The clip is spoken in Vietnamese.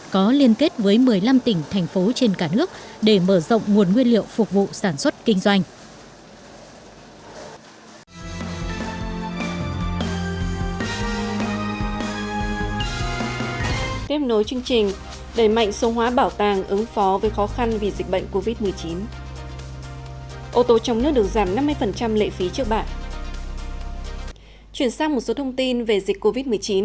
chuyển sang một số thông tin về dịch covid một mươi chín